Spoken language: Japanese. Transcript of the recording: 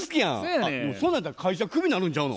そんなやったら会社クビになるんちゃうの？